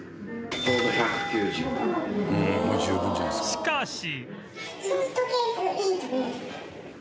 しかし